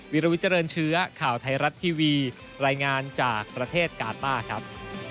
วิลวิเจริญเชื้อข่าวไทยรัฐทีวีรายงานจากประเทศกาต้าครับ